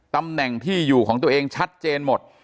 ตำแหน่งที่อยู่ของตัวเองชัดเจนหมด